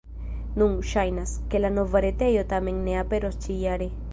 Nun ŝajnas, ke la nova retejo tamen ne aperos ĉi-jare.